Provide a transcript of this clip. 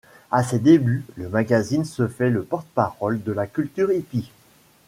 À ses débuts, le magazine se fait le porte-parole de la culture hippie.